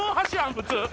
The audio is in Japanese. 普通！